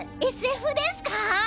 ＳＦですか？